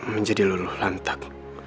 menjadi luluh lantak